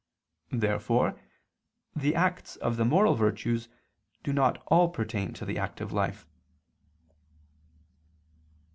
Therefore the acts of the moral virtues do not all pertain to the active life.